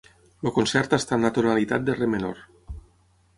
El concert està en la tonalitat de re menor.